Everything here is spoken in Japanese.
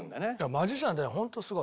マジシャンってね本当すごい。